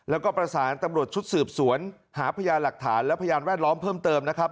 แล้วก็ประสานตำรวจชุดสืบสวนหาพยานหลักฐานและพยานแวดล้อมเพิ่มเติมนะครับ